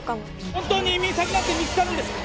・本当に移民先なんて見つかるんですか？